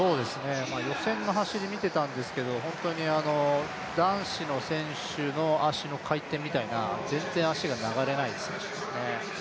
予選の走り見ていてたんですけど、男子の選手の足の回転みたいな、全然足が流れないですね。